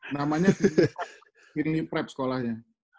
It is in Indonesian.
namanya ini prep sekolahnya